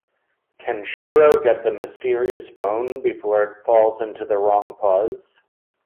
Can Shiro get the mysterious bone before it falls into the wrong paws?